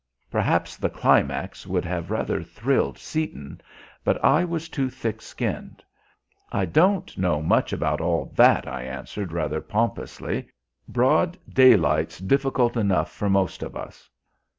Perhaps the climax would have rather thrilled Seaton, but I was too thick skinned. "I don't know much about all that," I answered rather pompously. "Broad daylight's difficult enough for most of us."